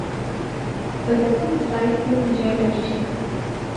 ঐ দেখ, ওসাইদ ইবনে হুযাইর আসছে।